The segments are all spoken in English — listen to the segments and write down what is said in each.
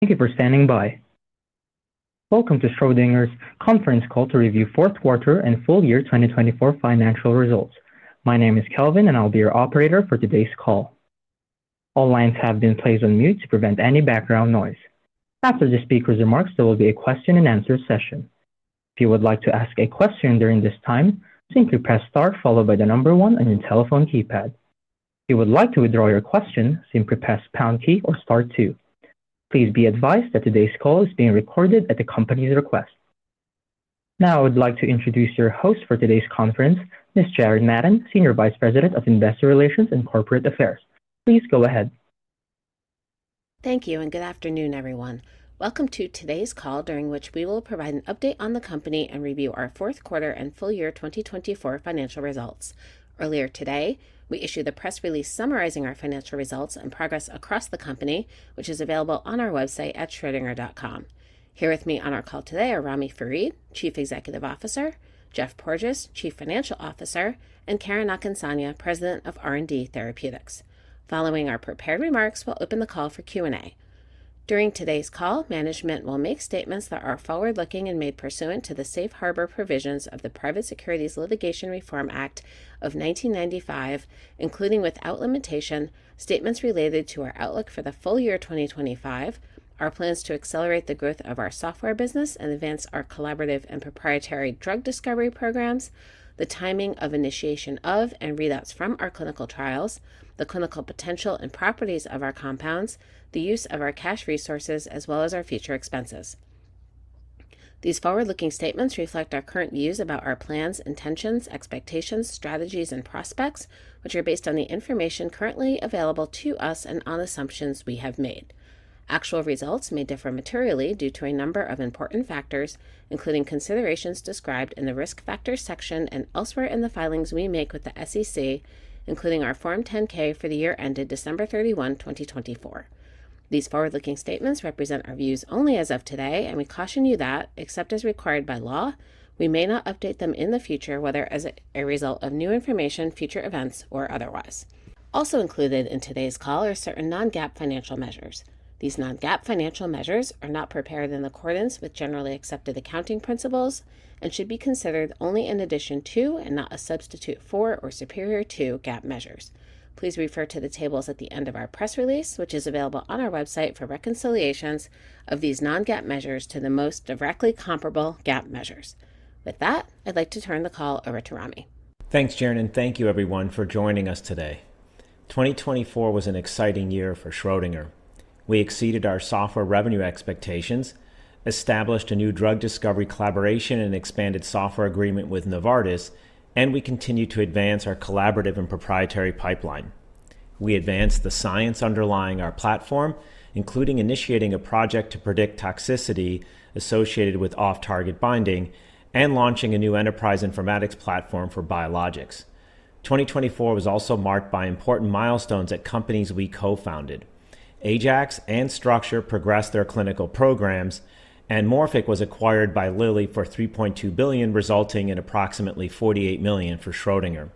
Thank you for standing by. Welcome to Schrödinger's conference call to review fourth quarter and full year 2024 financial results. My name is Kelvin, and I'll be your operator for today's call. All lines have been placed on mute to prevent any background noise. After the speaker's remarks, there will be a question-and-answer session. If you would like to ask a question during this time, simply press Star, followed by the number one on your telephone keypad. If you would like to withdraw your question, simply press Pound key or Star 2. Please be advised that today's call is being recorded at the company's request. Now, I would like to introduce your host for today's conference, Ms. Jaren Madden, Senior Vice President of Investor Relations and Corporate Affairs. Please go ahead. Thank you, and good afternoon, everyone. Welcome to today's call, during which we will provide an update on the company and review our fourth quarter and full year 2024 financial results. Earlier today, we issued a press release summarizing our financial results and progress across the company, which is available on our website at Schrödinger.com. Here with me on our call today are Ramy Farid, Chief Executive Officer, Geoff Porges, Chief Financial Officer, and Karen Akinsanya, President of R&D Therapeutics. Following our prepared remarks, we'll open the call for Q&A. During today's call, management will make statements that are forward-looking and made pursuant to the Safe Harbor Provisions of the Private Securities Litigation Reform Act of 1995, including without limitation, statements related to our outlook for the full year 2025, our plans to accelerate the growth of our software business and advance our collaborative and proprietary drug discovery programs, the timing of initiation of and readouts from our clinical trials, the clinical potential and properties of our compounds, the use of our cash resources, as well as our future expenses. These forward-looking statements reflect our current views about our plans, intentions, expectations, strategies, and prospects, which are based on the information currently available to us and on assumptions we have made. Actual results may differ materially due to a number of important factors, including considerations described in the risk factor section and elsewhere in the filings we make with the SEC, including our Form 10-K for the year ended December 31, 2024. These forward-looking statements represent our views only as of today, and we caution you that, except as required by law, we may not update them in the future, whether as a result of new information, future events, or otherwise. Also included in today's call are certain non-GAAP financial measures. These non-GAAP financial measures are not prepared in accordance with generally accepted accounting principles and should be considered only in addition to and not a substitute for or superior to GAAP measures. Please refer to the tables at the end of our press release, which is available on our website for reconciliations of these non-GAAP measures to the most directly comparable GAAP measures. With that, I'd like to turn the call over to Ramy. Thanks, Jaren, and thank you, everyone, for joining us today. 2024 was an exciting year for Schrödinger. We exceeded our software revenue expectations, established a new drug discovery collaboration and expanded software agreement with Novartis, and we continue to advance our collaborative and proprietary pipeline. We advanced the science underlying our platform, including initiating a project to predict toxicity associated with off-target binding and launching a new enterprise informatics platform for biologics. 2024 was also marked by important milestones at companies we co-founded. Ajax and Structure progressed their clinical programs, and Morphic was acquired by Lilly for $3.2 billion, resulting in approximately $48 million for Schrödinger.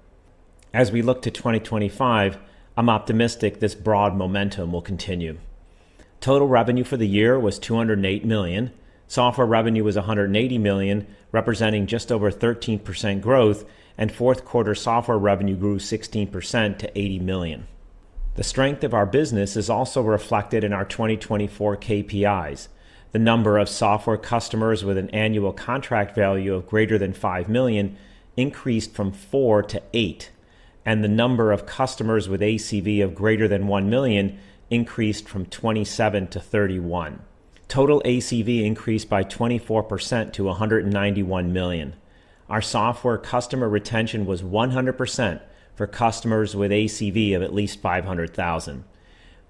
As we look to 2025, I'm optimistic this broad momentum will continue. Total revenue for the year was $208 million. Software revenue was $180 million, representing just over 13% growth, and fourth quarter software revenue grew 16% to $80 million. The strength of our business is also reflected in our 2024 KPIs. The number of software customers with an annual contract value of greater than $5 million increased from four to eight, and the number of customers with ACV of greater than $1 million increased from 27-31. Total ACV increased by 24% to $191 million. Our software customer retention was 100% for customers with ACV of at least $500,000.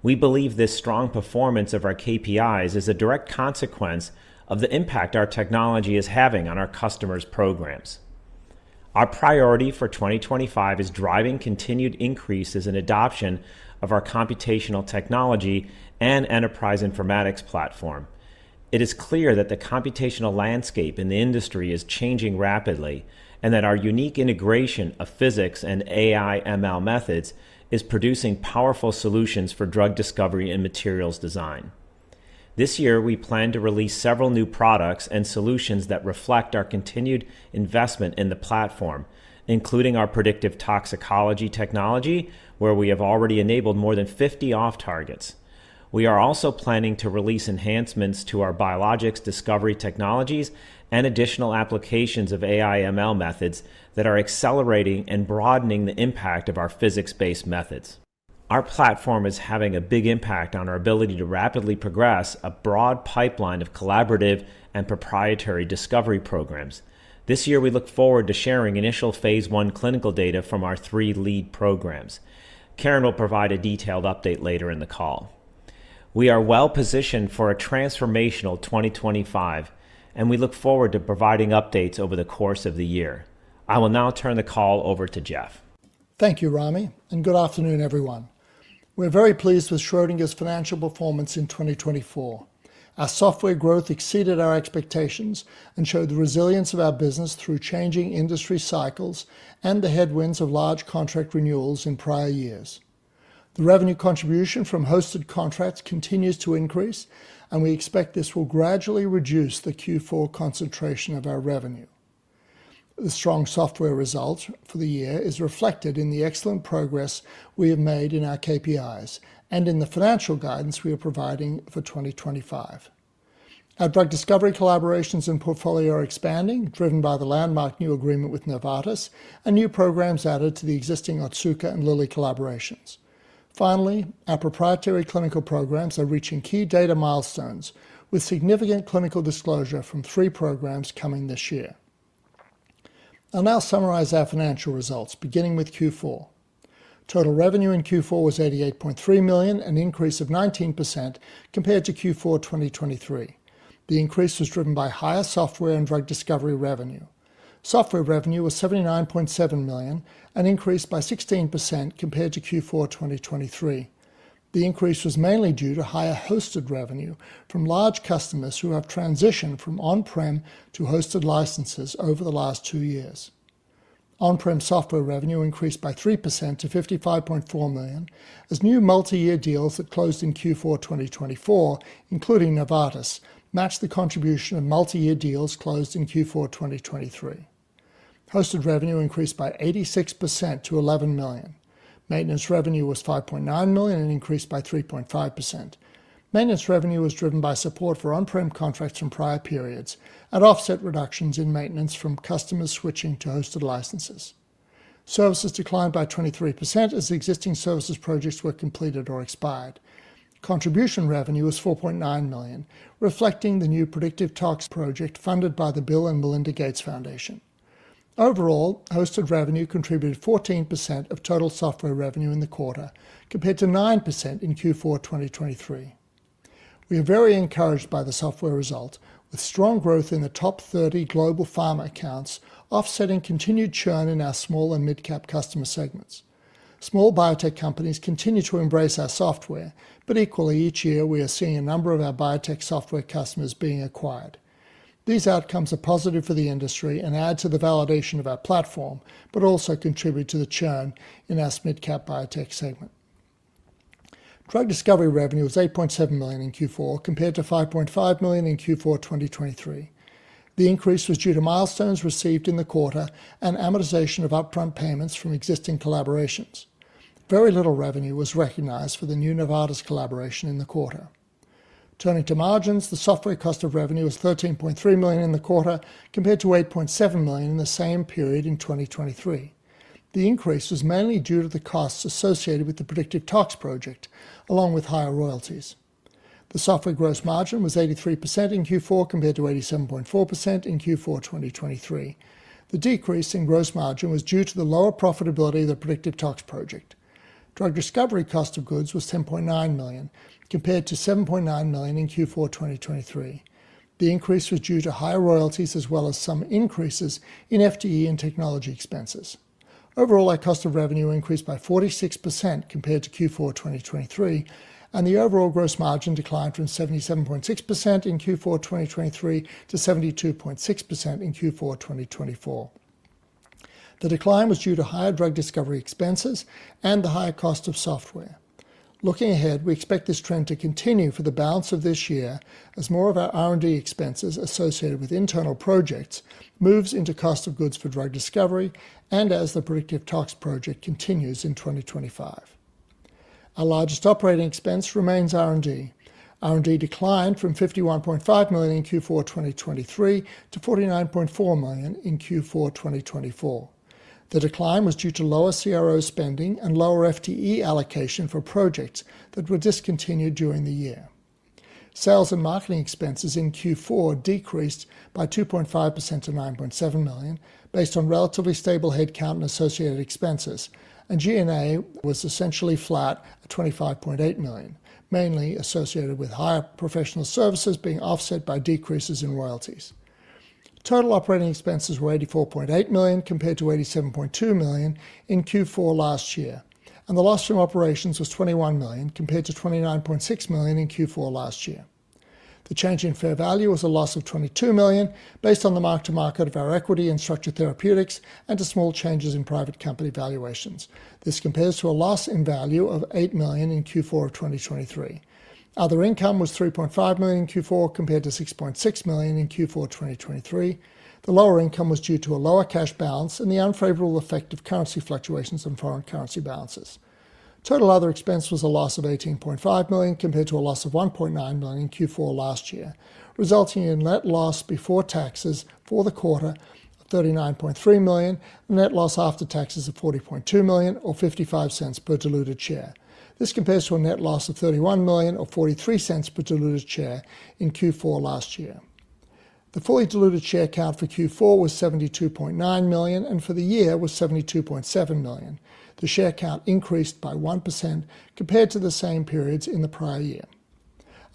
We believe this strong performance of our KPIs is a direct consequence of the impact our technology is having on our customers' programs. Our priority for 2025 is driving continued increases in adoption of our computational technology and enterprise informatics platform. It is clear that the computational landscape in the industry is changing rapidly and that our unique integration of physics and AI/ML methods is producing powerful solutions for drug discovery and materials design. This year, we plan to release several new products and solutions that reflect our continued investment in the platform, including our predictive toxicology technology, where we have already enabled more than 50 off-targets. We are also planning to release enhancements to our biologics discovery technologies and additional applications of AI/ML methods that are accelerating and broadening the impact of our physics-based methods. Our platform is having a big impact on our ability to rapidly progress a broad pipeline of collaborative and proprietary discovery programs. This year, we look forward to sharing initial phase I clinical data from our three lead programs. Karen will provide a detailed update later in the call. We are well-positioned for a transformational 2025, and we look forward to providing updates over the course of the year. I will now turn the call over to Geoff. Thank you, Ramy, and good afternoon, everyone. We're very pleased with Schrödinger's financial performance in 2024. Our software growth exceeded our expectations and showed the resilience of our business through changing industry cycles and the headwinds of large contract renewals in prior years. The revenue contribution from hosted contracts continues to increase, and we expect this will gradually reduce the Q4 concentration of our revenue. The strong software result for the year is reflected in the excellent progress we have made in our KPIs and in the financial guidance we are providing for 2025. Our drug discovery collaborations and portfolio are expanding, driven by the landmark new agreement with Novartis and new programs added to the existing Otsuka and Lilly collaborations. Finally, our proprietary clinical programs are reaching key data milestones with significant clinical disclosure from three programs coming this year. I'll now summarize our financial results, beginning with Q4. Total revenue in Q4 was $88.3 million, an increase of 19% compared to Q4 2023. The increase was driven by higher software and drug discovery revenue. Software revenue was $79.7 million, an increase by 16% compared to Q4 2023. The increase was mainly due to higher hosted revenue from large customers who have transitioned from on-prem to hosted licenses over the last two years. On-prem software revenue increased by 3% to $55.4 million as new multi-year deals that closed in Q4 2024, including Novartis, matched the contribution of multi-year deals closed in Q4 2023. Hosted revenue increased by 86% to $11 million. Maintenance revenue was $5.9 million and increased by 3.5%. Maintenance revenue was driven by support for on-prem contracts from prior periods and offset reductions in maintenance from customers switching to hosted licenses. Services declined by 23% as existing services projects were completed or expired. Contribution revenue was $4.9 million, reflecting the new predictive toxicology project funded by the Bill and Melinda Gates Foundation. Overall, hosted revenue contributed 14% of total software revenue in the quarter, compared to 9% in Q4 2023. We are very encouraged by the software results, with strong growth in the top 30 global pharma accounts, offsetting continued churn in our small and mid-cap customer segments. Small biotech companies continue to embrace our software, but equally, each year, we are seeing a number of our biotech software customers being acquired. These outcomes are positive for the industry and add to the validation of our platform, but also contribute to the churn in our mid-cap biotech segment. Drug discovery revenue was $8.7 million in Q4, compared to $5.5 million in Q4 2023. The increase was due to milestones received in the quarter and amortization of upfront payments from existing collaborations. Very little revenue was recognized for the new Novartis collaboration in the quarter. Turning to margins, the software cost of revenue was $13.3 million in the quarter, compared to $8.7 million in the same period in 2023. The increase was mainly due to the costs associated with the predictive tox project, along with higher royalties. The software gross margin was 83% in Q4, compared to 87.4% in Q4 2023. The decrease in gross margin was due to the lower profitability of the predictive tox project. Drug discovery cost of goods was $10.9 million, compared to $7.9 million in Q4 2023. The increase was due to higher royalties as well as some increases in FTE and technology expenses. Overall, our cost of revenue increased by 46% compared to Q4 2023, and the overall gross margin declined from 77.6% in Q4 2023 to 72.6% in Q4 2024. The decline was due to higher drug discovery expenses and the higher cost of software. Looking ahead, we expect this trend to continue for the balance of this year as more of our R&D expenses associated with internal projects moves into cost of goods for drug discovery and as the predictive tox project continues in 2025. Our largest operating expense remains R&D. R&D declined from $51.5 million in Q4 2023 to $49.4 million in Q4 2024. The decline was due to lower CRO spending and lower FTE allocation for projects that were discontinued during the year. Sales and marketing expenses in Q4 decreased by 2.5% to $9.7 million, based on relatively stable headcount and associated expenses, and G&A was essentially flat at $25.8 million, mainly associated with higher professional services being offset by decreases in royalties. Total operating expenses were $84.8 million, compared to $87.2 million in Q4 last year, and the loss from operations was $21 million, compared to $29.6 million in Q4 last year. The change in fair value was a loss of $22 million, based on the mark-to-market of our equity in Structure Therapeutics and to small changes in private company valuations. This compares to a loss in value of $8 million in Q4 of 2023. Other income was $3.5 million in Q4, compared to $6.6 million in Q4 2023. The lower income was due to a lower cash balance and the unfavorable effect of currency fluctuations on foreign currency balances. Total other expense was a loss of $18.5 million, compared to a loss of $1.9 million in Q4 last year, resulting in net loss before taxes for the quarter of $39.3 million and net loss after taxes of $40.2 million, or $0.55 per diluted share. This compares to a net loss of $31 million, or $0.43 per diluted share in Q4 last year. The fully diluted share count for Q4 was 72.9 million, and for the year was 72.7 million. The share count increased by 1% compared to the same periods in the prior year.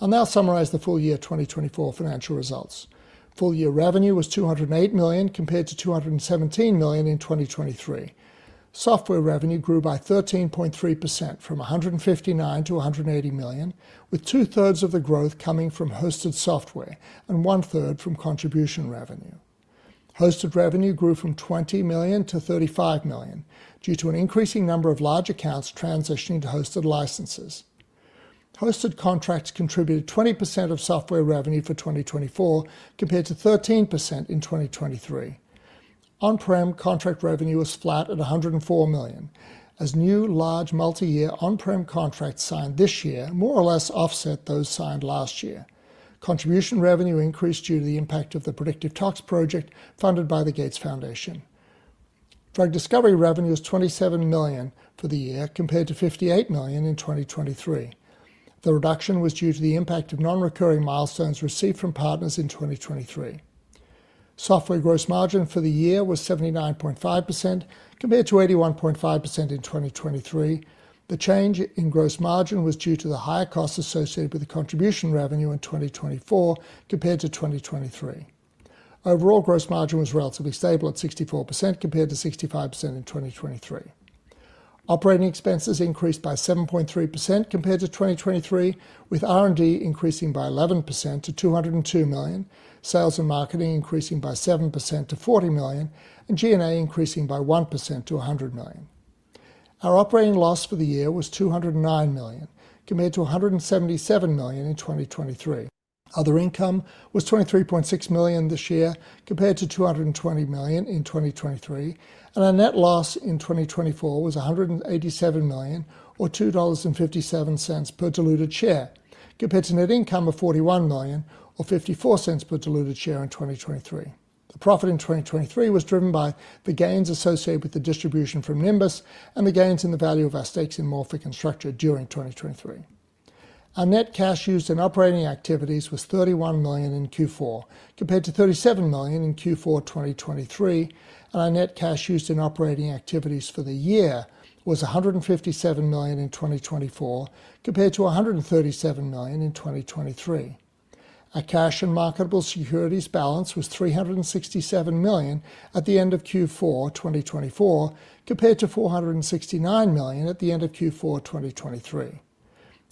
I'll now summarize the full year 2024 financial results. Full year revenue was $208 million, compared to $217 million in 2023. Software revenue grew by 13.3% from $159 million to $180 million, with two-thirds of the growth coming from hosted software and one-third from contribution revenue. Hosted revenue grew from $20 million to $35 million due to an increasing number of large accounts transitioning to hosted licenses. Hosted contracts contributed 20% of software revenue for 2024, compared to 13% in 2023. On-prem contract revenue was flat at $104 million, as new large multi-year on-prem contracts signed this year more or less offset those signed last year. Contribution revenue increased due to the impact of the predictive tox project funded by the Gates Foundation. Drug discovery revenue was $27 million for the year, compared to $58 million in 2023. The reduction was due to the impact of non-recurring milestones received from partners in 2023. Software gross margin for the year was 79.5%, compared to 81.5% in 2023. The change in gross margin was due to the higher cost associated with the contribution revenue in 2024, compared to 2023. Overall, gross margin was relatively stable at 64%, compared to 65% in 2023. Operating expenses increased by 7.3%, compared to 2023, with R&D increasing by 11% to $202 million, sales and marketing increasing by 7% to $40 million, and G&A increasing by 1% to $100 million. Our operating loss for the year was $209 million, compared to $177 million in 2023. Other income was $23.6 million this year, compared to $220 million in 2023, and our net loss in 2024 was $187 million, or $2.57 per diluted share, compared to net income of $41 million, or $0.54 per diluted share in 2023. The profit in 2023 was driven by the gains associated with the distribution from Nimbus and the gains in the value of our stakes in Morphic and Structure during 2023. Our net cash used in operating activities was $31 million in Q4, compared to $37 million in Q4 2023, and our net cash used in operating activities for the year was $157 million in 2024, compared to $137 million in 2023. Our cash and marketable securities balance was $367 million at the end of Q4 2024, compared to $469 million at the end of Q4 2023.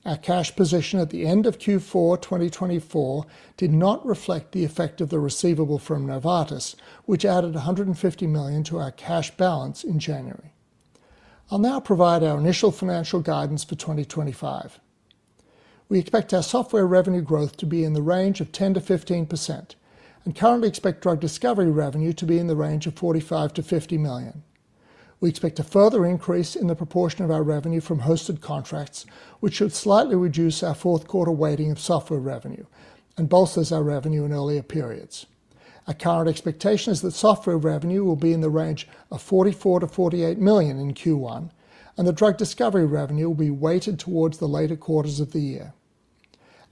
Our cash position at the end of Q4 2024 did not reflect the effect of the receivable from Novartis, which added $150 million to our cash balance in January. I'll now provide our initial financial guidance for 2025. We expect our software revenue growth to be in the range of 10%-15%, and currently expect drug discovery revenue to be in the range of $45 million-$50 million. We expect a further increase in the proportion of our revenue from hosted contracts, which should slightly reduce our fourth quarter weighting of software revenue and bolsters our revenue in earlier periods. Our current expectation is that software revenue will be in the range of $44 million-$48 million in Q1, and the drug discovery revenue will be weighted towards the later quarters of the year.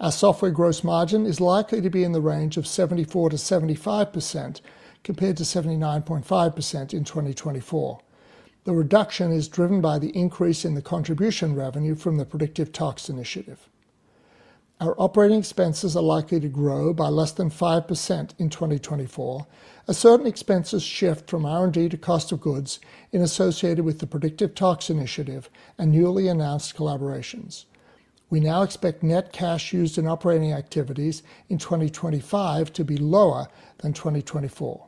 Our software gross margin is likely to be in the range of 74%-75%, compared to 79.5% in 2024. The reduction is driven by the increase in the contribution revenue from the predictive tox initiative. Our operating expenses are likely to grow by less than 5% in 2024, as certain expenses shift from R&D to cost of goods associated with the predictive tox initiative and newly announced collaborations. We now expect net cash used in operating activities in 2025 to be lower than 2024.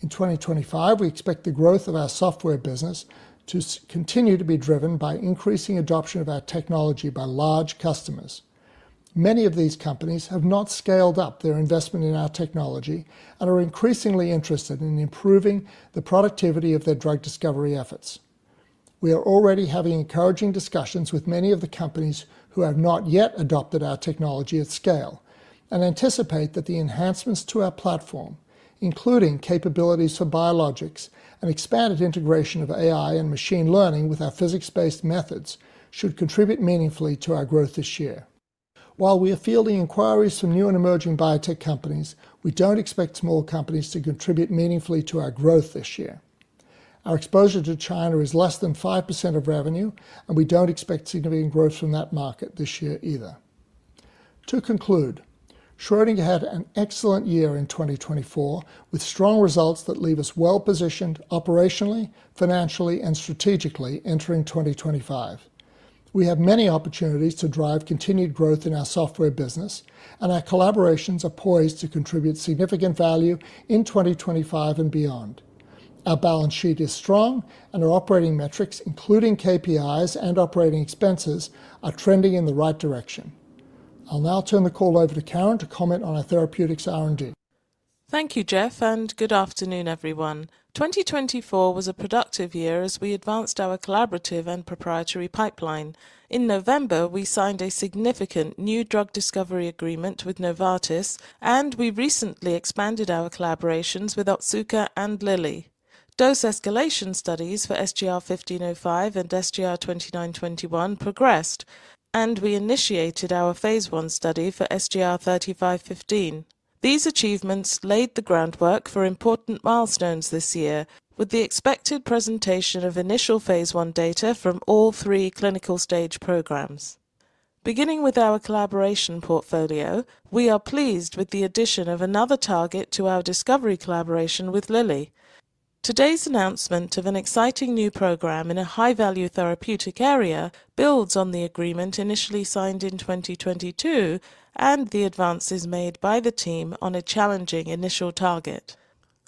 In 2025, we expect the growth of our software business to continue to be driven by increasing adoption of our technology by large customers. Many of these companies have not scaled up their investment in our technology and are increasingly interested in improving the productivity of their drug discovery efforts. We are already having encouraging discussions with many of the companies who have not yet adopted our technology at scale and anticipate that the enhancements to our platform, including capabilities for biologics and expanded integration of AI and machine learning with our physics-based methods, should contribute meaningfully to our growth this year. While we are fielding inquiries from new and emerging biotech companies, we don't expect small companies to contribute meaningfully to our growth this year. Our exposure to China is less than 5% of revenue, and we don't expect significant growth from that market this year either. To conclude, Schrödinger had an excellent year in 2024, with strong results that leave us well-positioned operationally, financially, and strategically entering 2025. We have many opportunities to drive continued growth in our software business, and our collaborations are poised to contribute significant value in 2025 and beyond. Our balance sheet is strong, and our operating metrics, including KPIs and operating expenses, are trending in the right direction. I'll now turn the call over to Karen to comment on our therapeutics R&D. Thank you, Geoff, and good afternoon, everyone. 2024 was a productive year as we advanced our collaborative and proprietary pipeline. In November, we signed a significant new drug discovery agreement with Novartis, and we recently expanded our collaborations with Otsuka and Lilly. Dose escalation studies for SGR1505 and SGR2921 progressed, and we initiated our phase 1 study for SGR3515. These achievements laid the groundwork for important milestones this year, with the expected presentation of initial phase 1 data from all three clinical stage programs. Beginning with our collaboration portfolio, we are pleased with the addition of another target to our discovery collaboration with Lilly. Today's announcement of an exciting new program in a high-value therapeutic area builds on the agreement initially signed in 2022 and the advances made by the team on a challenging initial target.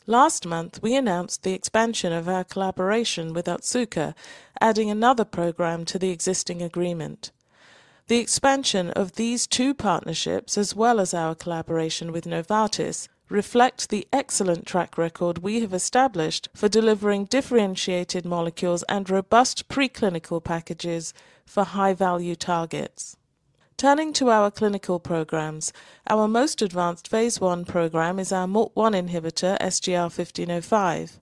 Last month, we announced the expansion of our collaboration with Otsuka, adding another program to the existing agreement. The expansion of these two partnerships, as well as our collaboration with Novartis, reflects the excellent track record we have established for delivering differentiated molecules and robust preclinical packages for high-value targets. Turning to our clinical programs, our most advanced Phase 1 program is our MALT1 inhibitor, SGR1505.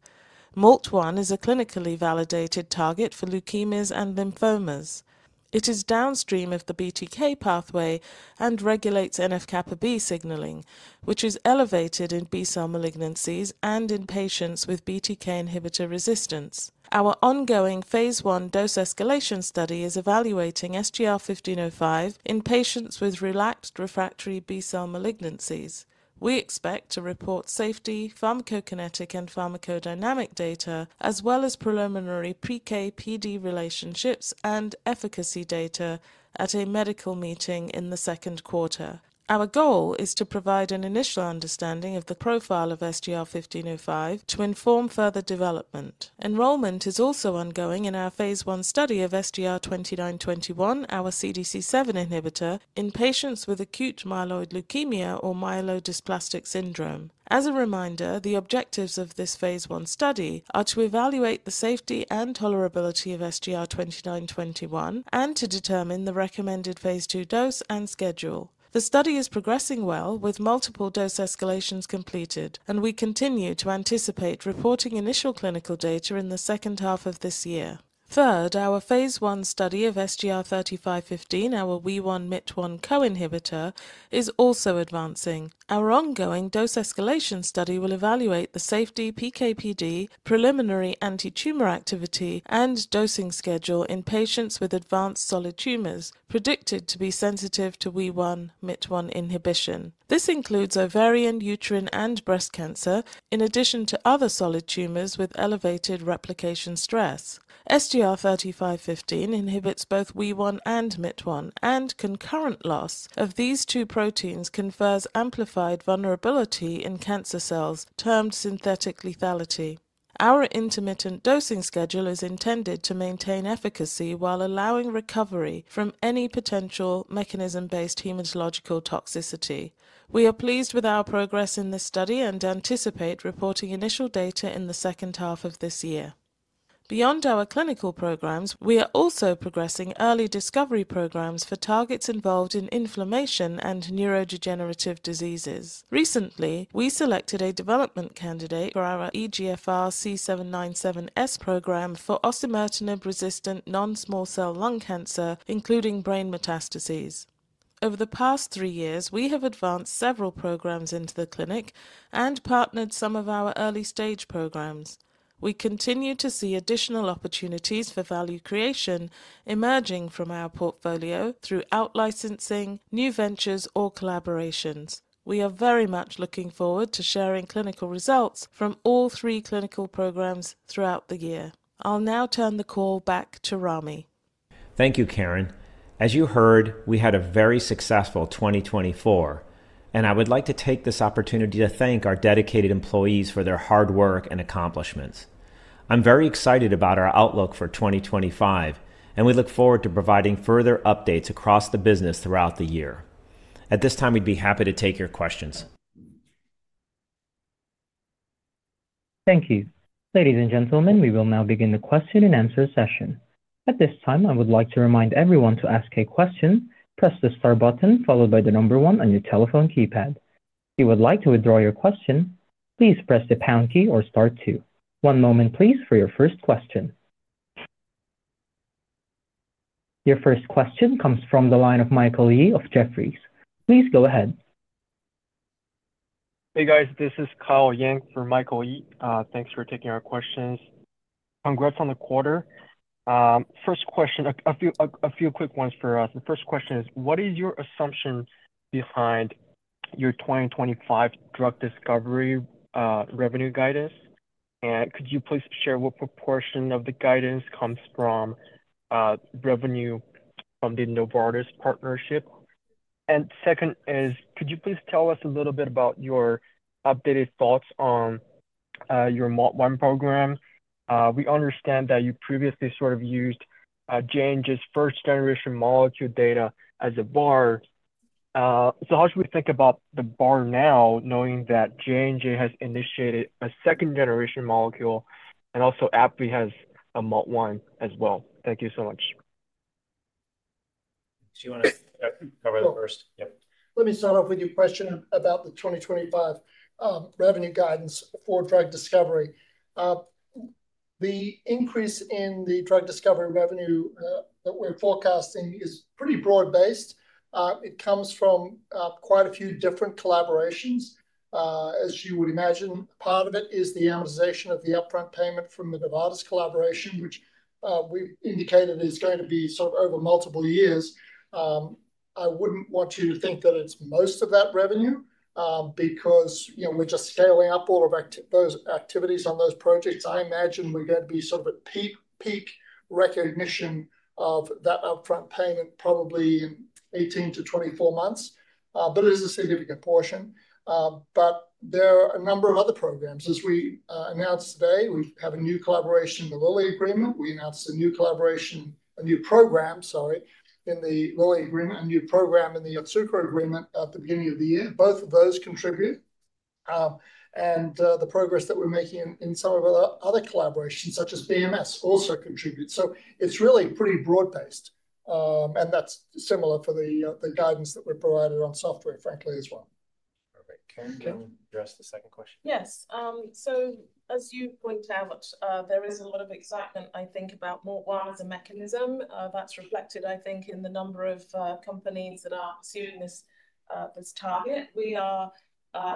MALT1 is a clinically validated target for leukemias and lymphomas. It is downstream of the BTK pathway and regulates NF-kappaB signaling, which is elevated in B-cell malignancies and in patients with BTK inhibitor resistance. Our ongoing Phase 1 dose escalation study is evaluating SGR1505 in patients with relapsed refractory B-cell malignancies. We expect to report safety, pharmacokinetic, and pharmacodynamic data, as well as preliminary PK/PD relationships and efficacy data at a medical meeting in the second quarter. Our goal is to provide an initial understanding of the profile of SGR1505 to inform further development. Enrollment is also ongoing in our Phase 1 study of SGR2921, our CDC7 inhibitor, in patients with acute myeloid leukemia or myelodysplastic syndrome. As a reminder, the objectives of this phase 1 study are to evaluate the safety and tolerability of SGR2921 and to determine the recommended phase 2 dose and schedule. The study is progressing well, with multiple dose escalations completed, and we continue to anticipate reporting initial clinical data in the second half of this year. Third, our phase 1 study of SGR3515, our WEE1/MYT1 co-inhibitor, is also advancing. Our ongoing dose escalation study will evaluate the safety, PK/PD, preliminary anti-tumor activity, and dosing schedule in patients with advanced solid tumors predicted to be sensitive to WEE1/MYT1 inhibition. This includes ovarian, uterine, and breast cancer, in addition to other solid tumors with elevated replication stress. SGR3515 inhibits both WEE1 and MYT1, and concurrent loss of these two proteins confers amplified vulnerability in cancer cells, termed synthetic lethality. Our intermittent dosing schedule is intended to maintain efficacy while allowing recovery from any potential mechanism-based hematological toxicity. We are pleased with our progress in this study and anticipate reporting initial data in the second half of this year. Beyond our clinical programs, we are also progressing early discovery programs for targets involved in inflammation and neurodegenerative diseases. Recently, we selected a development candidate for our EGFR C797S program for osimertinib-resistant non-small cell lung cancer, including brain metastases. Over the past three years, we have advanced several programs into the clinic and partnered some of our early stage programs. We continue to see additional opportunities for value creation emerging from our portfolio through outlicensing, new ventures, or collaborations. We are very much looking forward to sharing clinical results from all three clinical programs throughout the year. I'll now turn the call back to Ramy. Thank you, Karen. As you heard, we had a very successful 2024, and I would like to take this opportunity to thank our dedicated employees for their hard work and accomplishments. I'm very excited about our outlook for 2025, and we look forward to providing further updates across the business throughout the year. At this time, we'd be happy to take your questions. Thank you. Ladies and gentlemen, we will now begin the question and answer session. At this time, I would like to remind everyone to ask a question, press the star button followed by the number one on your telephone keypad. If you would like to withdraw your question, please press the pound key or star two. One moment, please, for your first question. Your first question comes from the line of Michael Yee of Jefferies. Please go ahead. Hey, guys. This is Kyle Yang from Michael Yee. Thanks for taking our questions. Congrats on the quarter. First question, a few quick ones for us. The first question is, what is your assumption behind your 2025 drug discovery revenue guidance? And could you please share what proportion of the guidance comes from revenue from the Novartis partnership? And second is, could you please tell us a little bit about your updated thoughts on your MALT1 program? We understand that you previously sort of used J&J's first-generation molecule data as a bar. So how should we think about the bar now, knowing that J&J has initiated a second-generation molecule and also AbbVie has a MALT1 as well? Thank you so much. Do you want to cover the first? Yep. Let me start off with your question about the 2025 revenue guidance for drug discovery. The increase in the drug discovery revenue that we're forecasting is pretty broad-based. It comes from quite a few different collaborations. As you would imagine, part of it is the amortization of the upfront payment from the Novartis collaboration, which we've indicated is going to be sort of over multiple years. I wouldn't want you to think that it's most of that revenue because we're just scaling up all of those activities on those projects. I imagine we're going to be sort of at peak recognition of that upfront payment probably in 18-24 months, but it is a significant portion. But there are a number of other programs. As we announced today, we have a new collaboration in the Lilly agreement. We announced a new collaboration, a new program, sorry, in the Lilly agreement, a new program in the Otsuka agreement at the beginning of the year. Both of those contribute. And the progress that we're making in some of the other collaborations, such as BMS, also contributes. So it's really pretty broad-based. And that's similar for the guidance that we're provided on software, frankly, as well. Perfect. Karen, can you address the second question? Yes. So as you point out, there is a lot of excitement, I think, about MALT1 as a mechanism. That's reflected, I think, in the number of companies that are pursuing this target. We are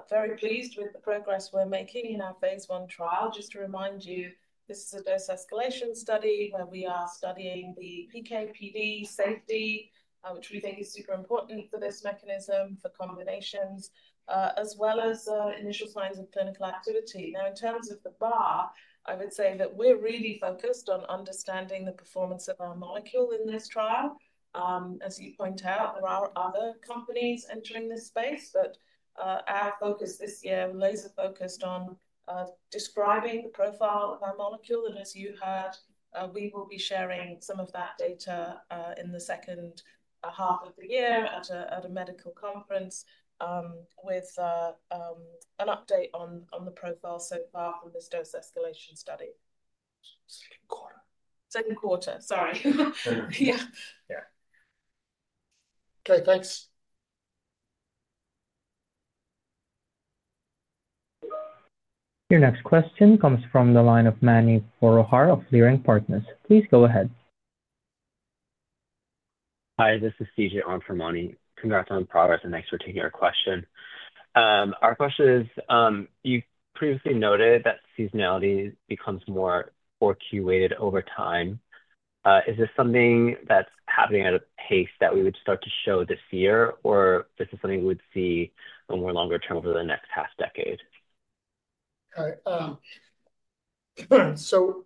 very pleased with the progress we're making in our phase one trial. Just to remind you, this is a dose escalation study where we are studying the PK/PD safety, which we think is super important for this mechanism, for combinations, as well as initial signs of clinical activity. Now, in terms of the bar, I would say that we're really focused on understanding the performance of our molecule in this trial. As you point out, there are other companies entering this space, but our focus this year was laser-focused on describing the profile of our molecule, and as you heard, we will be sharing some of that data in the second half of the year at a medical conference with an update on the profile so far from this dose escalation study. Second quarter. Second quarter, sorry. Yeah. Yeah. Okay, thanks. Your next question comes from the line of Mani Foroohar of Leerink Partners. Please go ahead. Hi, this is CJ Aram for Mani. Congrats on the progress, and thanks for taking our question. Our question is, you previously noted that seasonality becomes more or Q-weighted over time. Is this something that's happening at a pace that we would start to show this year, or is this something we would see a more longer term over the next half-decade? Okay. So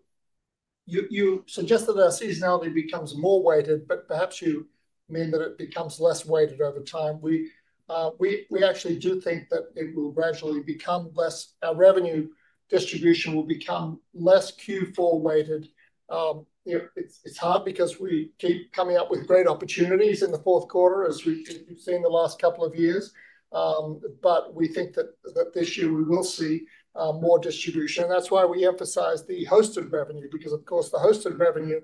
you suggested that seasonality becomes more weighted, but perhaps you mean that it becomes less weighted over time. We actually do think that it will gradually become less. Our revenue distribution will become less Q4-weighted. It's hard because we keep coming up with great opportunities in the fourth quarter, as we've seen the last couple of years. But we think that this year we will see more distribution. And that's why we emphasize the hosted revenue, because, of course, the hosted revenue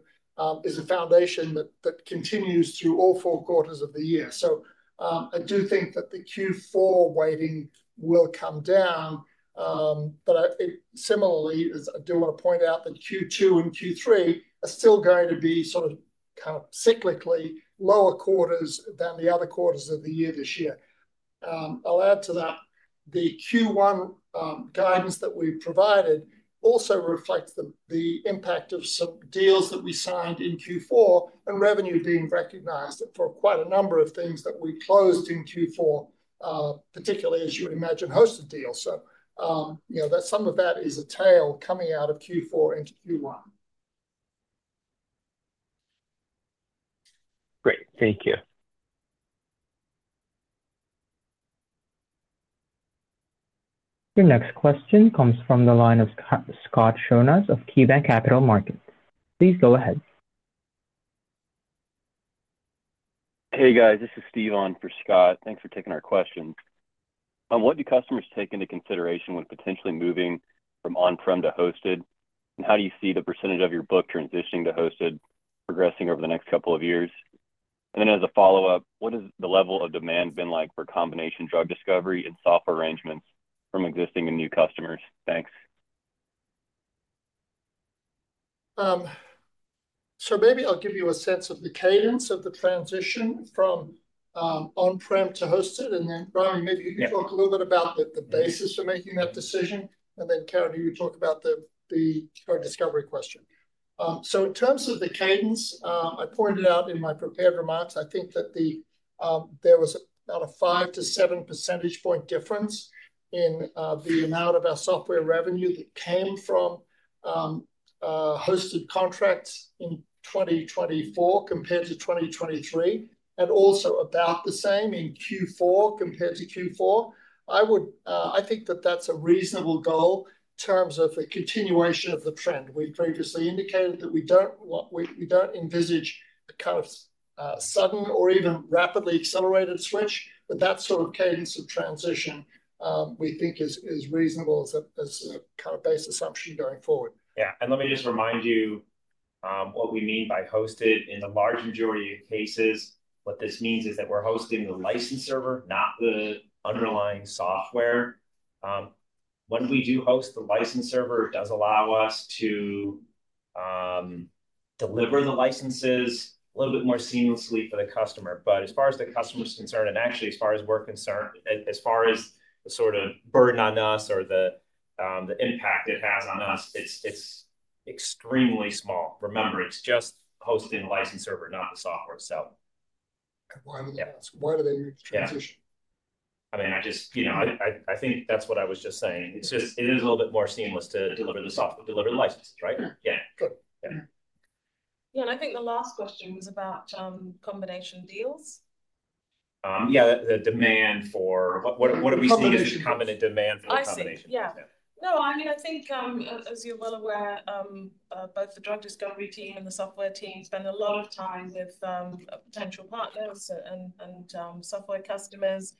is a foundation that continues through all four quarters of the year. So I do think that the Q4 weighting will come down. But similarly, I do want to point out that Q2 and Q3 are still going to be sort of kind of cyclically lower quarters than the other quarters of the year this year. I'll add to that the Q1 guidance that we've provided also reflects the impact of some deals that we signed in Q4 and revenue being recognized for quite a number of things that we closed in Q4, particularly, as you imagine, hosted deals. So some of that is a tail coming out of Q4 into Q1. Great. Thank you. Your next question comes from the line of Scott Schoenhaus of KeyBanc Capital Markets. Please go ahead. Hey, guys. This is Steve Aram for Scott. Thanks for taking our question. What do customers take into consideration when potentially moving from on-prem to hosted? And how do you see the percentage of your book transitioning to hosted progressing over the next couple of years? And then as a follow-up, what has the level of demand been like for combination drug discovery and software arrangements from existing and new customers? Thanks. Maybe I'll give you a sense of the cadence of the transition from on-prem to hosted. And then, Ramy, maybe you can talk a little bit about the basis for making that decision. And then, Karen, you talk about the drug discovery question. In terms of the cadence, I pointed out in my prepared remarks, I think that there was about a five to seven percentage point difference in the amount of our software revenue that came from hosted contracts in 2024 compared to 2023, and also about the same in Q4 compared to Q4. I think that that's a reasonable goal in terms of the continuation of the trend. We previously indicated that we don't envisage a kind of sudden or even rapidly accelerated switch, but that sort of cadence of transition we think is reasonable as a kind of base assumption going forward. Yeah. Let me just remind you what we mean by hosted. In the large majority of cases, what this means is that we're hosting the license server, not the underlying software. When we do host the license server, it does allow us to deliver the licenses a little bit more seamlessly for the customer. But as far as the customer's concerned, and actually, as far as we're concerned, as far as the sort of burden on us or the impact it has on us, it's extremely small. Remember, it's just hosting the license server, not the software, so. Why do they need to transition? I mean, I just think that's what I was just saying. It's just it is a little bit more seamless to deliver the licenses, right? Yeah. Yeah. Yeah. I think the last question was about combination deals. Yeah, the demand for what are we seeing as the common demand for the combination? Yeah. No, I mean, I think, as you're well aware, both the drug discovery team and the software team spend a lot of time with potential partners and software customers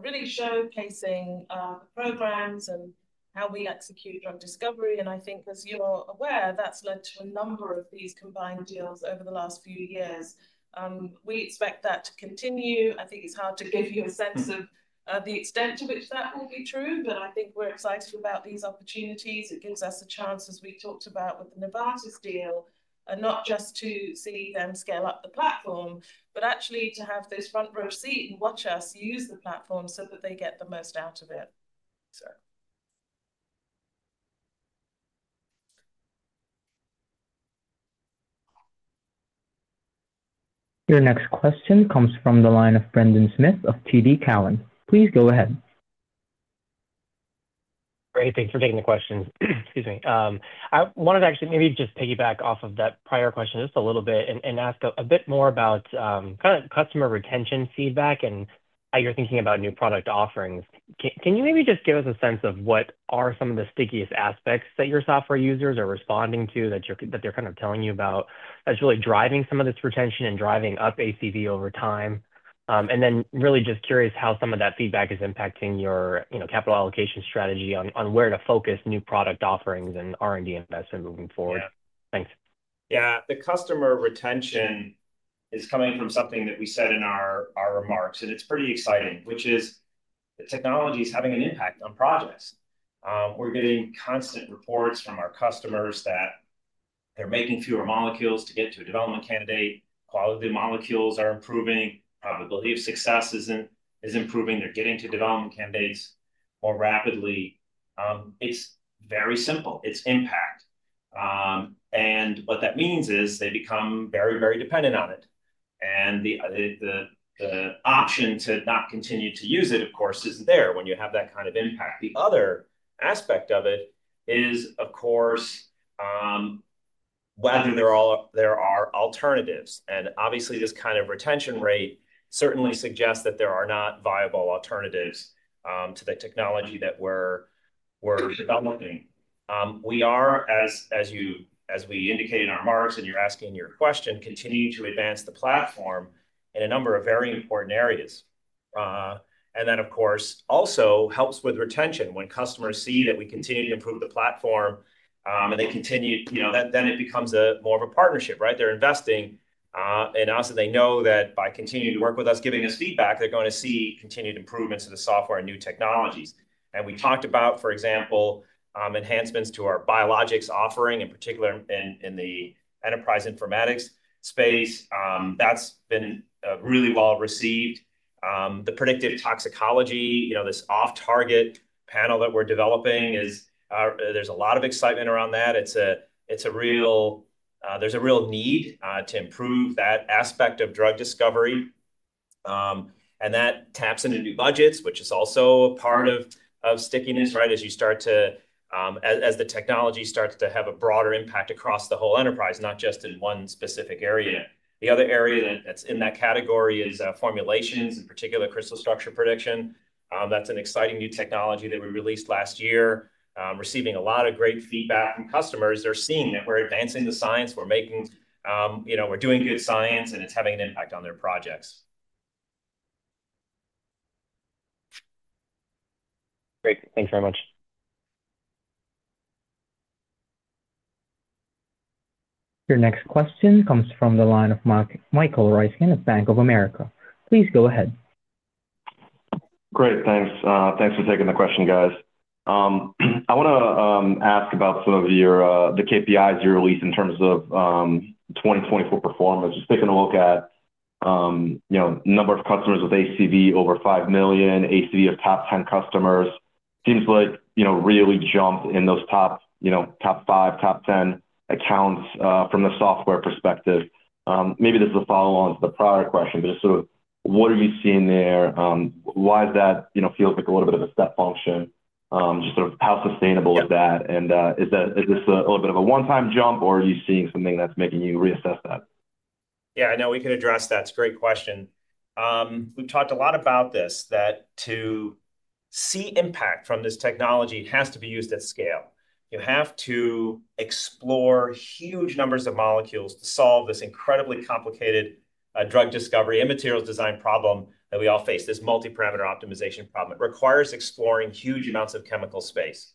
really showcasing the programs and how we execute drug discovery. And I think, as you're aware, that's led to a number of these combined deals over the last few years. We expect that to continue. I think it's hard to give you a sense of the extent to which that will be true, but I think we're excited about these opportunities. It gives us a chance, as we talked about with the Novartis deal, not just to see them scale up the platform, but actually to have this front-row seat and watch us use the platform so that they get the most out of it. Your next question comes from the line of Brendan Smith of TD Cowen. Please go ahead. Great. Thanks for taking the question. Excuse me. I wanted to actually maybe just piggyback off of that prior question just a little bit and ask a bit more about kind of customer retention feedback and how you're thinking about new product offerings. Can you maybe just give us a sense of what are some of the stickiest aspects that your software users are responding to that they're kind of telling you about that's really driving some of this retention and driving up ACV over time? And then really just curious how some of that feedback is impacting your capital allocation strategy on where to focus new product offerings and R&D investment moving forward. Thanks. Yeah. The customer retention is coming from something that we said in our remarks, and it's pretty exciting, which is the technology is having an impact on projects. We're getting constant reports from our customers that they're making fewer molecules to get to a development candidate. Quality of the molecules are improving. Probability of success is improving. They're getting to development candidates more rapidly. It's very simple. It's impact. And what that means is they become very, very dependent on it. And the option to not continue to use it, of course, isn't there when you have that kind of impact. The other aspect of it is, of course, whether there are alternatives. And obviously, this kind of retention rate certainly suggests that there are not viable alternatives to the technology that we're developing. We are, as we indicated in our remarks and you're asking your question, continuing to advance the platform in a number of very important areas, and that, of course, also helps with retention when customers see that we continue to improve the platform and they continue then it becomes more of a partnership, right? They're investing in us, and they know that by continuing to work with us, giving us feedback, they're going to see continued improvements in the software and new technologies, and we talked about, for example, enhancements to our biologics offering, in particular in the enterprise informatics space. That's been really well received. The predictive toxicology, this off-target panel that we're developing, there's a lot of excitement around that. There's a real need to improve that aspect of drug discovery. That taps into new budgets, which is also a part of stickiness, right, as the technology starts to have a broader impact across the whole enterprise, not just in one specific area. The other area that's in that category is formulations, in particular, crystal structure prediction. That's an exciting new technology that we released last year, receiving a lot of great feedback from customers. They're seeing that we're advancing the science. We're doing good science, and it's having an impact on their projects. Great. Thanks very much. Your next question comes from the line of Michael Ryskin of Bank of America. Please go ahead. Great. Thanks. Thanks for taking the question, guys. I want to ask about some of the KPIs you released in terms of 2024 performance. Just taking a look at the number of customers with ACV over $5 million, ACV of top 10 customers, seems like really jumped in those top five, top 10 accounts from the software perspective. Maybe this is a follow-on to the prior question, but just sort of what are you seeing there? Why is that feel like a little bit of a step function? Just sort of how sustainable is that? And is this a little bit of a one-time jump, or are you seeing something that's making you reassess that? Yeah. No, we can address that. It's a great question. We've talked a lot about this, that to see impact from this technology, it has to be used at scale. You have to explore huge numbers of molecules to solve this incredibly complicated drug discovery and materials design problem that we all face, this multi-parameter optimization problem. It requires exploring huge amounts of chemical space,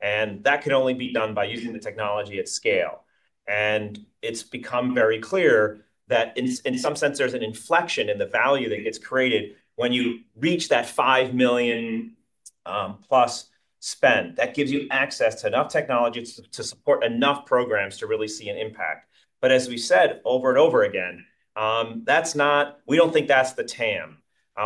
and that can only be done by using the technology at scale, and it's become very clear that in some sense, there's an inflection in the value that gets created when you reach that $5 million+ spend. That gives you access to enough technology to support enough programs to really see an impact, but as we said over and over again, we don't think that's the TAM.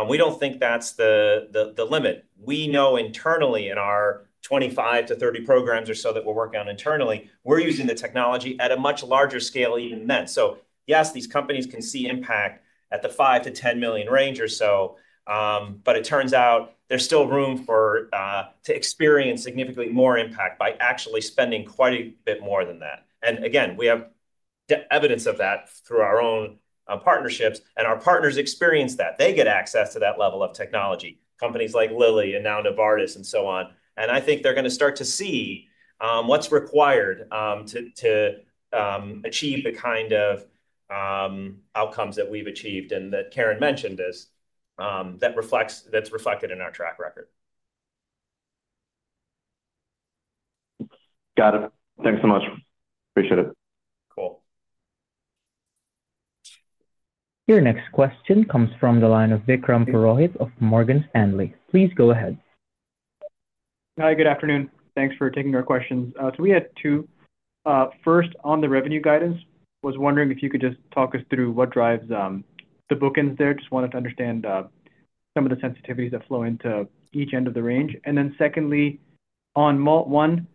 We don't think that's the limit. We know internally in our 25-30 programs or so that we're working on internally, we're using the technology at a much larger scale even then, so yes, these companies can see impact at the $5 million-$10 million range or so, but it turns out there's still room to experience significantly more impact by actually spending quite a bit more than that. And again, we have evidence of that through our own partnerships. And our partners experience that. They get access to that level of technology, companies like Lilly and now Novartis and so on. And I think they're going to start to see what's required to achieve the kind of outcomes that we've achieved and that Karen mentioned that's reflected in our track record. Got it. Thanks so much. Appreciate it. Cool. Your next question comes from the line of Vikram Purohit of Morgan Stanley. Please go ahead. Hi. Good afternoon. Thanks for taking our questions. So we had two. First, on the revenue guidance, was wondering if you could just talk us through what drives the bookends there. Just wanted to understand some of the sensitivities that flow into each end of the range. And then secondly, on MALT1,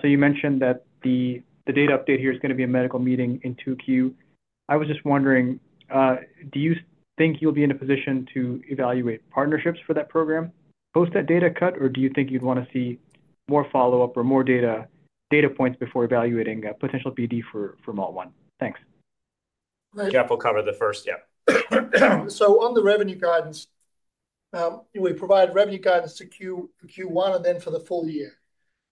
so you mentioned that the data update here is going to be a medical meeting in 2Q. I was just wondering, do you think you'll be in a position to evaluate partnerships for that program post that data cut, or do you think you'd want to see more follow-up or more data points before evaluating potential BD for MALT1? Thanks. Geoff will cover the first, yeah. So on the revenue guidance, we provide revenue guidance to Q1 and then for the full year.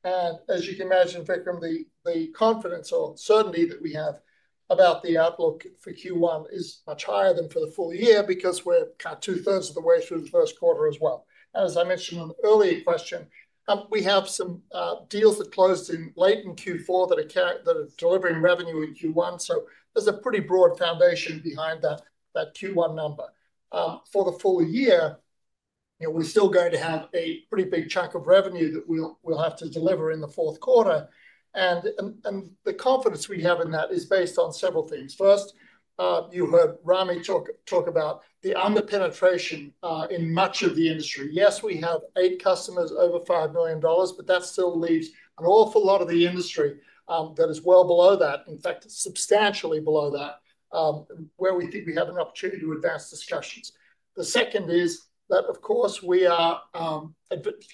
And as you can imagine, Vikram, the confidence or certainty that we have about the outlook for Q1 is much higher than for the full year because we're kind of two-thirds of the way through the first quarter as well. As I mentioned in the earlier question, we have some deals that closed late in Q4 that are delivering revenue in Q1. There's a pretty broad foundation behind that Q1 number. For the full year, we're still going to have a pretty big chunk of revenue that we'll have to deliver in the fourth quarter. The confidence we have in that is based on several things. First, you heard Ramy talk about the underpenetration in much of the industry. Yes, we have eight customers over $5 million, but that still leaves an awful lot of the industry that is well below that, in fact, substantially below that, where we think we have an opportunity to advance discussions. The second is that, of course, we are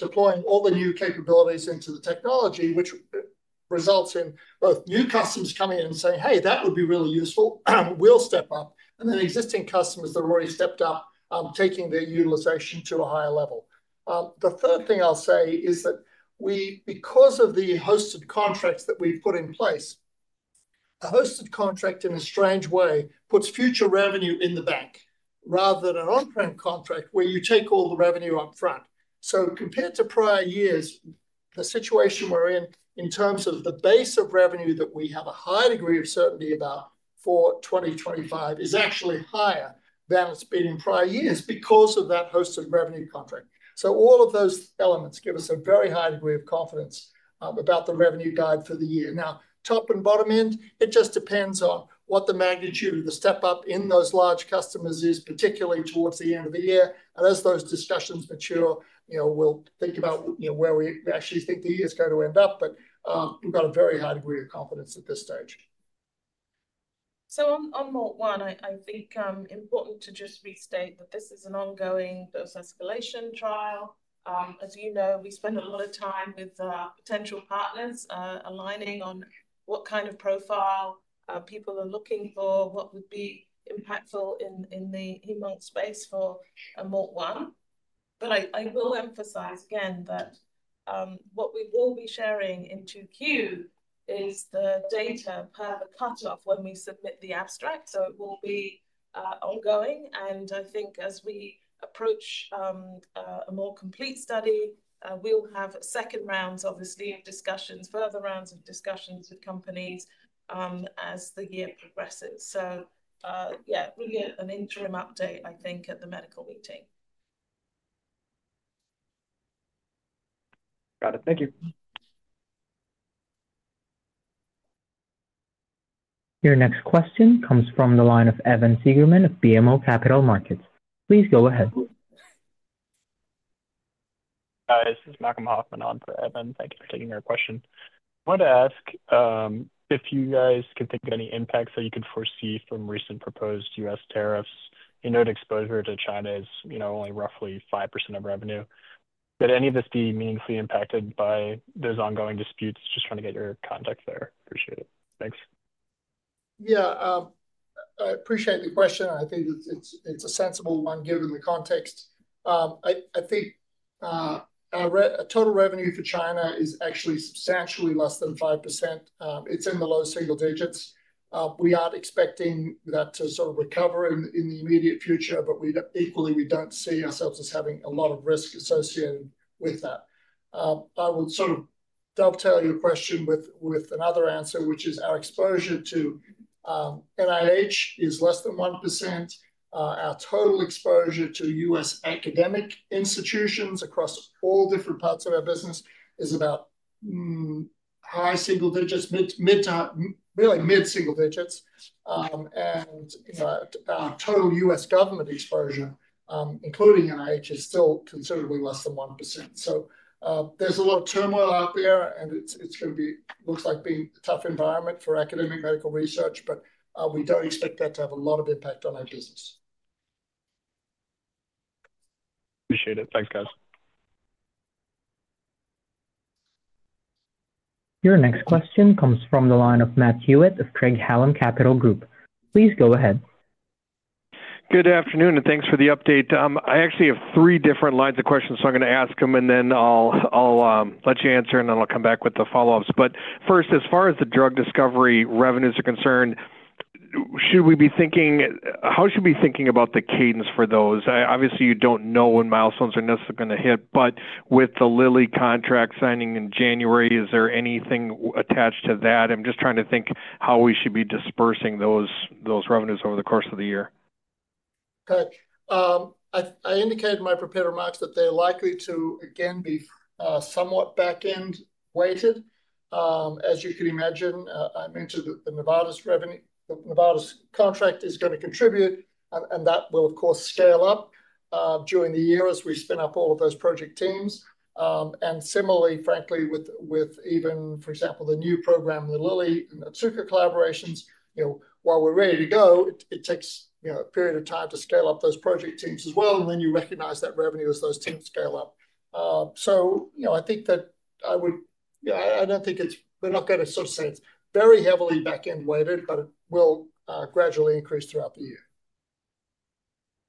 deploying all the new capabilities into the technology, which results in both new customers coming in and saying, "Hey, that would be really useful. We'll step up." And then existing customers that have already stepped up, taking their utilization to a higher level. The third thing I'll say is that because of the hosted contracts that we've put in place, a hosted contract, in a strange way, puts future revenue in the bank rather than an on-prem contract where you take all the revenue upfront. So compared to prior years, the situation we're in, in terms of the base of revenue that we have a high degree of certainty about for 2025, is actually higher than it's been in prior years because of that hosted revenue contract. So all of those elements give us a very high degree of confidence about the revenue guide for the year. Now, top and bottom end, it just depends on what the magnitude of the step-up in those large customers is, particularly towards the end of the year. And as those discussions mature, we'll think about where we actually think the year is going to end up, but we've got a very high degree of confidence at this stage. So on MALT1, I think it's important to just restate that this is an ongoing post-escalation trial. As you know, we spend a lot of time with potential partners aligning on what kind of profile people are looking for, what would be impactful in the hem/onc space for MALT1. But I will emphasize again that what we will be sharing in 2Q is the data per the cutoff when we submit the abstract. So it will be ongoing. And I think as we approach a more complete study, we'll have second rounds, obviously, of discussions, further rounds of discussions with companies as the year progresses. So yeah, really an interim update, I think, at the medical meeting. Got it. Thank you. Your next question comes from the line of Evan Seigerman of BMO Capital Markets. Please go ahead. Hi. This is Malcolm Hoffman on for Evan. Thank you for taking our question. I wanted to ask if you guys could think of any impacts that you could foresee from recent proposed U.S. tariffs. You know exposure to China is only roughly 5% of revenue. Could any of this be meaningfully impacted by those ongoing disputes? Just trying to get your context there. Appreciate it. Thanks. Yeah. I appreciate the question. I think it's a sensible one given the context. I think total revenue for China is actually substantially less than 5%. It's in the low single digits. We aren't expecting that to sort of recover in the immediate future, but equally, we don't see ourselves as having a lot of risk associated with that. I will sort of dovetail your question with another answer, which is our exposure to NIH is less than 1%. Our total exposure to U.S. academic institutions across all different parts of our business is about high single digits, really mid-single digits. And our total U.S. government exposure, including NIH, is still considerably less than 1%. So there's a lot of turmoil out there, and it's going to look like being a tough environment for academic medical research, but we don't expect that to have a lot of impact on our business. Appreciate it. Thanks, guys. Your next question comes from the line of Matt Hewitt of Craig-Hallum Capital Group. Please go ahead. Good afternoon, and thanks for the update. I actually have three different lines of questions, so I'm going to ask them, and then I'll let you answer, and then I'll come back with the follow-ups. But first, as far as the drug discovery revenues are concerned, how should we be thinking about the cadence for those? Obviously, you don't know when milestones are necessarily going to hit, but with the Lilly contract signing in January, is there anything attached to that? I'm just trying to think how we should be dispersing those revenues over the course of the year. Okay. I indicated in my prepared remarks that they're likely to, again, be somewhat back-end weighted. As you can imagine, I mentioned that the Novartis contract is going to contribute, and that will, of course, scale up during the year as we spin up all of those project teams. And similarly, frankly, with even, for example, the new program, the Lilly and Otsuka collaborations, while we're ready to go, it takes a period of time to scale up those project teams as well, and then you recognize that revenue as those teams scale up. So I think. I don't think it's. We're not going to sort of say it's very heavily back-end weighted, but it will gradually increase throughout the year.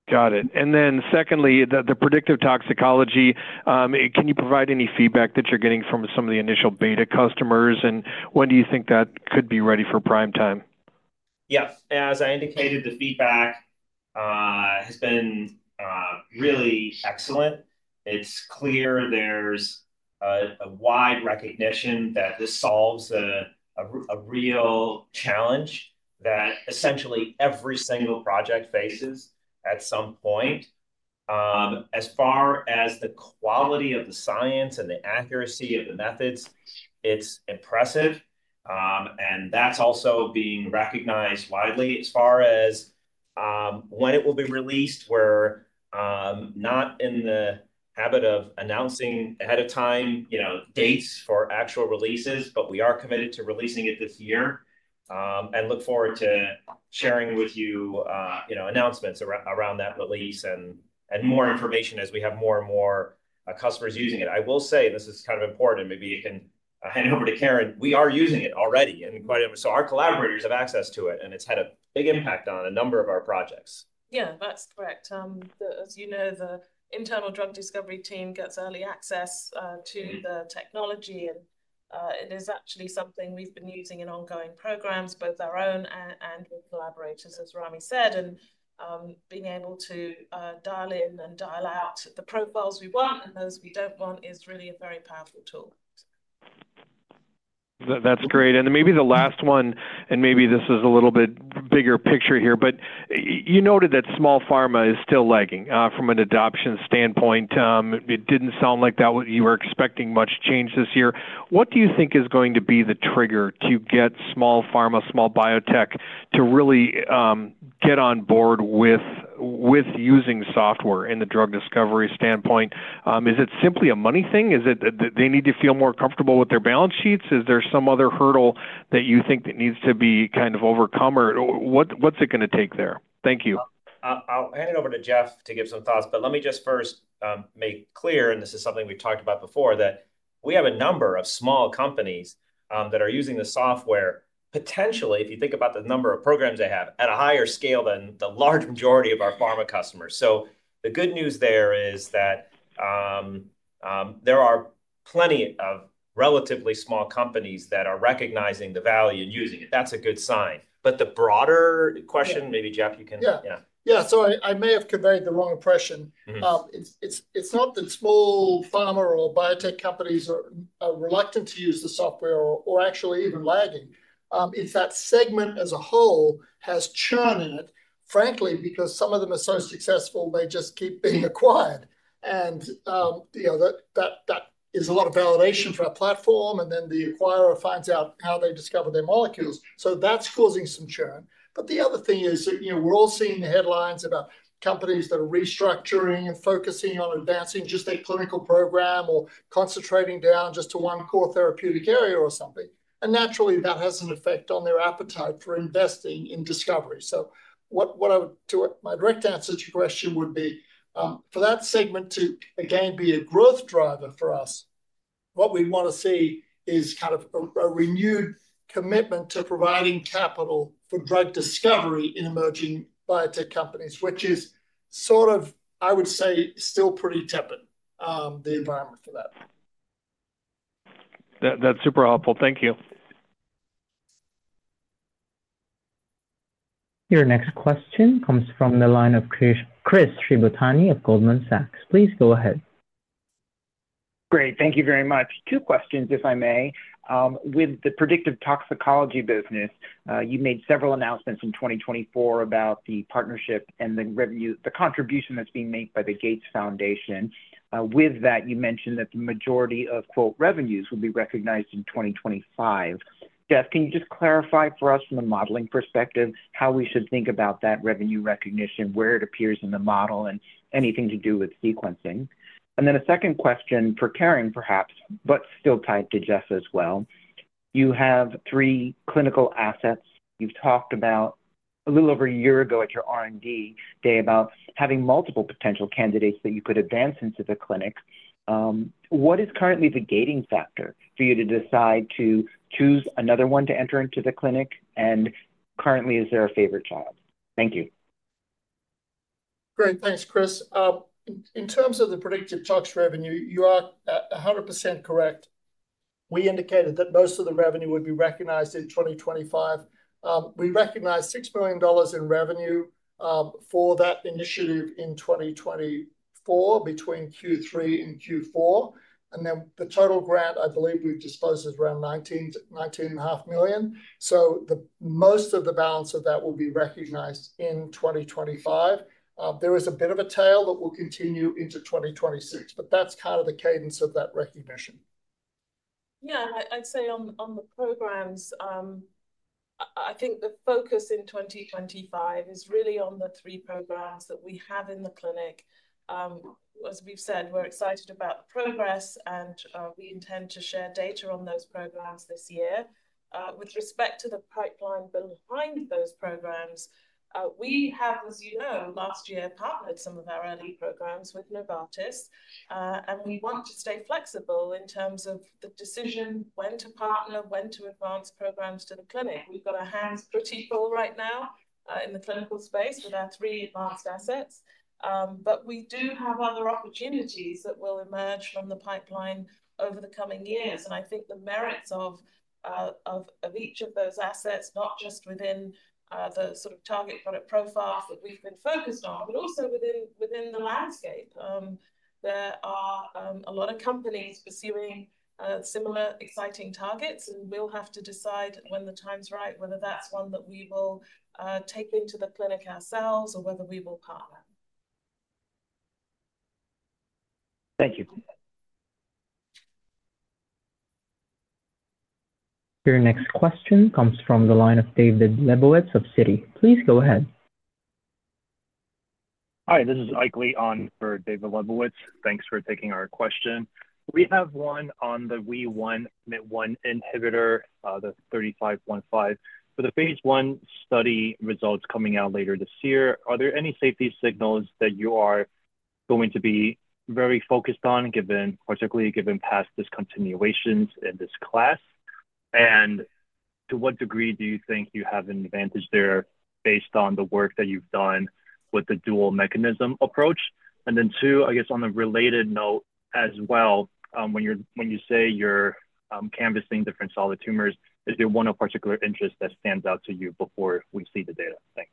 Got it. And then secondly, the predictive toxicology, can you provide any feedback that you're getting from some of the initial beta customers, and when do you think that could be ready for prime time? Yes. As I indicated, the feedback has been really excellent. It's clear there's a wide recognition that this solves a real challenge that essentially every single project faces at some point. As far as the quality of the science and the accuracy of the methods, it's impressive. And that's also being recognized widely as far as when it will be released. We're not in the habit of announcing ahead of time dates for actual releases, but we are committed to releasing it this year and look forward to sharing with you announcements around that release and more information as we have more and more customers using it. I will say, and this is kind of important, and maybe you can hand it over to Karen. We are using it already. So our collaborators have access to it, and it's had a big impact on a number of our projects. Yeah, that's correct. As you know, the internal drug discovery team gets early access to the technology, and it is actually something we've been using in ongoing programs, both our own and with collaborators, as Ramy said. Being able to dial in and dial out the profiles we want and those we don't want is really a very powerful tool. That's great. Maybe the last one, and maybe this is a little bit bigger picture here, but you noted that small pharma is still lagging from an adoption standpoint. It didn't sound like you were expecting much change this year. What do you think is going to be the trigger to get small pharma, small biotech to really get on board with using software in the drug discovery standpoint? Is it simply a money thing? Is it that they need to feel more comfortable with their balance sheets? Is there some other hurdle that you think that needs to be kind of overcome? Or what's it going to take there? Thank you. I'll hand it over to Geoff to give some thoughts, but let me just first make clear, and this is something we've talked about before, that we have a number of small companies that are using the software, potentially, if you think about the number of programs they have, at a higher scale than the large majority of our pharma customers. So the good news there is that there are plenty of relatively small companies that are recognizing the value and using it. That's a good sign. But the broader question, maybe Geoff, you can. So I may have conveyed the wrong impression. It's not that small pharma or biotech companies are reluctant to use the software or actually even lagging. It's that segment as a whole has churn in it, frankly, because some of them are so successful, they just keep being acquired. And that is a lot of validation for our platform, and then the acquirer finds out how they discover their molecules. So that's causing some churn. But the other thing is that we're all seeing the headlines about companies that are restructuring and focusing on advancing just their clinical program or concentrating down just to one core therapeutic area or something. Naturally, that has an effect on their appetite for investing in discovery. So what I would, my direct answer to your question would be, for that segment to, again, be a growth driver for us, what we want to see is kind of a renewed commitment to providing capital for drug discovery in emerging biotech companies, which is sort of, I would say, still pretty tepid, the environment for that. That's super helpful. Thank you. Your next question comes from the line of Chris Shibutani of Goldman Sachs. Please go ahead. Great. Thank you very much. Two questions, if I may. With the predictive toxicology business, you made several announcements in 2024 about the partnership and the contribution that's being made by the Gates Foundation. With that, you mentioned that the majority of "revenues" will be recognized in 2025. Geoff, can you just clarify for us from a modeling perspective how we should think about that revenue recognition, where it appears in the model, and anything to do with sequencing? And then a second question for Karen, perhaps, but still tied to Geoff as well. You have three clinical assets. You've talked about a little over a year ago at your R&D Day about having multiple potential candidates that you could advance into the clinic. What is currently the gating factor for you to decide to choose another one to enter into the clinic? And currently, is there a favorite child? Thank you. Great. Thanks, Chris. In terms of the predictive tox revenue, you are 100% correct. We indicated that most of the revenue would be recognized in 2025. We recognized $6 million in revenue for that initiative in 2024 between Q3 and Q4. And then the total grant, I believe we've disposed of around $19.5 million. So most of the balance of that will be recognized in 2025. There is a bit of a tail that will continue into 2026, but that's kind of the cadence of that recognition. Yeah. I'd say on the programs, I think the focus in 2025 is really on the three programs that we have in the clinic. As we've said, we're excited about the progress, and we intend to share data on those programs this year. With respect to the pipeline behind those programs, we have, as you know, last year partnered some of our early programs with Novartis, and we want to stay flexible in terms of the decision when to partner, when to advance programs to the clinic. We've got our hands pretty full right now in the clinical space with our three advanced assets. But we do have other opportunities that will emerge from the pipeline over the coming years. And I think the merits of each of those assets, not just within the sort of target product profiles that we've been focused on, but also within the landscape, there are a lot of companies pursuing similar exciting targets. And we'll have to decide when the time's right, whether that's one that we will take into the clinic ourselves or whether we will partner. Thank you. Your next question comes from the line of David Lebowitz of Citi. Please go ahead. Hi. This is Leon for David Lebowitz. Thanks for taking our question. We have one on the WEE1, MYT1 inhibitor, the 3515. For the phase 1 study results coming out later this year, are there any safety signals that you are going to be very focused on, particularly given past discontinuations in this class? To what degree do you think you have an advantage there based on the work that you've done with the dual mechanism approach? Then two, I guess on a related note as well, when you say you're canvassing different solid tumors, is there one of particular interest that stands out to you before we see the data? Thanks.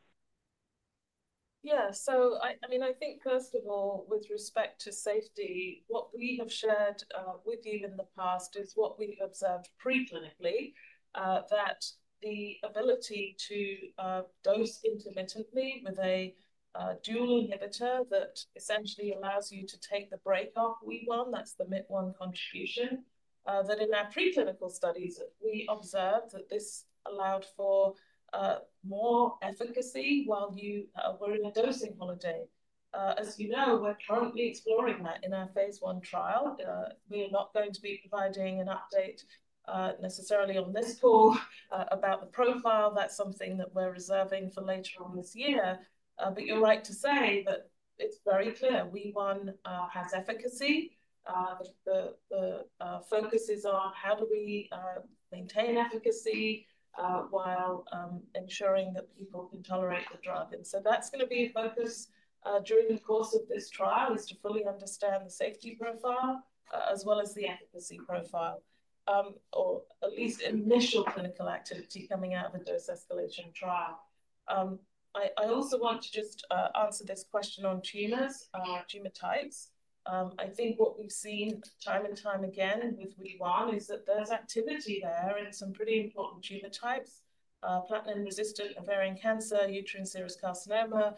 Yeah. I mean, I think, first of all, with respect to safety, what we have shared with you in the past is what we've observed preclinically, that the ability to dose intermittently with a dual inhibitor that essentially allows you to take the brake off WEE1, that's the MYT1 contribution. That in our preclinical studies, we observed that this allowed for more efficacy while you were in a dosing holiday. As you know, we're currently exploring that in our phase 1 trial. We are not going to be providing an update necessarily on this call about the profile. That's something that we're reserving for later on this year. But you're right to say that it's very clear WEE1 has efficacy. The focus is on how do we maintain efficacy while ensuring that people can tolerate the drug. And so that's going to be a focus during the course of this trial, is to fully understand the safety profile as well as the efficacy profile, or at least initial clinical activity coming out of a dose escalation trial. I also want to just answer this question on tumor types. I think what we've seen time and time again with WEE1 is that there's activity there in some pretty important tumor types, platinum-resistant ovarian cancer, uterine serous carcinoma.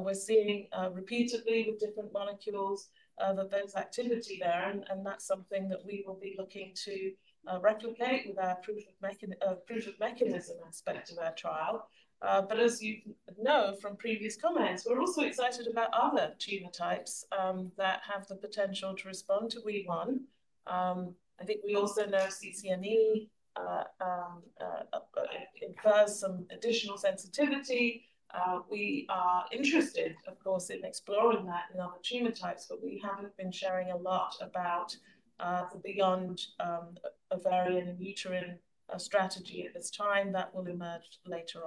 We're seeing repeatedly with different molecules that there's activity there. And that's something that we will be looking to replicate with our proof of mechanism aspect of our trial. But as you know from previous comments, we're also excited about other tumor types that have the potential to respond to WEE1. I think we also know CCNE incurs some additional sensitivity. We are interested, of course, in exploring that in other tumor types, but we haven't been sharing a lot about the beyond ovarian and uterine strategy at this time that will emerge later.